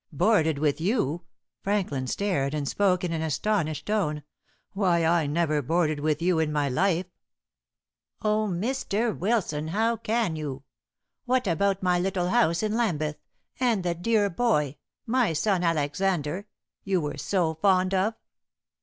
"Boarded with you!" Franklin stared, and spoke in an astonished tone. "Why, I never boarded with you in my life!" "Oh, Mr. Wilson, how can you? What about my little house in Lambeth, and the dear boy my son Alexander you were so fond of?"